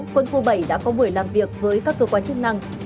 quân khu bảy đã có buổi làm việc với các cơ quan chức năng